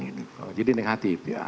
oh jadi negatif ya